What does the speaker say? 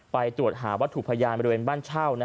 ไปตรวจหาวัตถุพยานบริเวณบ้านเช่า